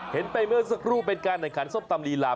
ไปเมื่อสักครู่เป็นการแข่งขันส้มตำลีลา